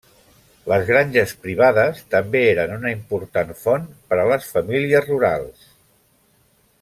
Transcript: Les granges privades també eren una important font per a les famílies rurals.